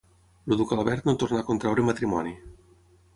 El duc Albert no tornà a contraure matrimoni.